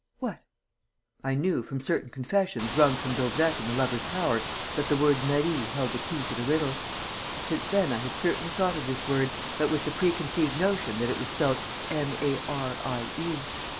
"What?" "I knew, from certain confessions wrung from Daubrecq in the Lovers' Tower, that the word Marie held the key to the riddle. Since then I had certainly thought of this word, but with the preconceived notion that it was spelt M A R I E.